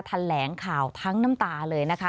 แถลงข่าวทั้งน้ำตาเลยนะคะ